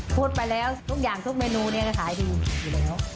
พูดมาแล้วทุกอย่างทุกเมนูเนี่ยก็ขายดีอยู่แล้ว